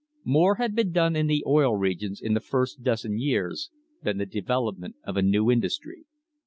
More had been done in the Oil Regions in the first dozen years than the development of a new industry.